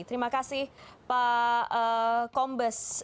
terima kasih pak kombes